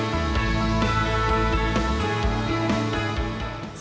sajian makan sepuasnya alamnya